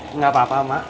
eh mak gak apa apa mak